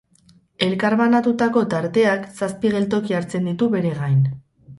Elkarbanatutako tarteak zazpi geltoki hartzen ditu bere gain.